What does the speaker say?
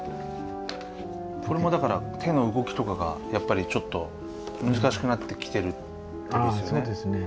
これもだから手の動きとかがやっぱりちょっと難しくなってきてる時ですよね。